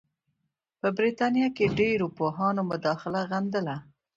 په برټانیه کې ډېرو پوهانو مداخله غندله.